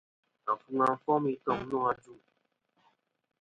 Afuŋa fom i toŋ nô ajuŋ.